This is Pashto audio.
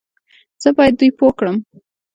زه بايد دوی پوه کړم